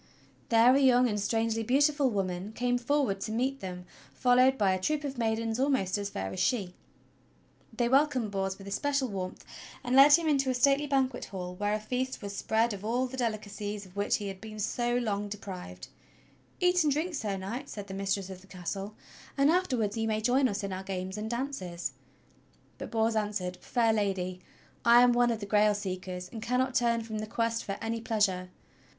There a young and strangely beautiful woman came forward to meet them, followed by a troop of maidens almost as fair as she. They welcomed Bors with especial warmth, and led him into a stately banquet hall, where a feast was spread of all the delicacies of which he had been so long deprived. A YOUNG AND STRANGELY BEAUTIFUL WOMAN 126 THE STORY OF KING ARTHUR "Eat and drink. Sir Knight," said the mistress of the castle, "and afterwards you may join us in our games and dances." But Bors answered: "Fair Lady, I am one of the Grail seekers, and cannot turn from the Quest for any pleasure.